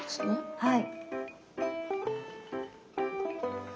はい。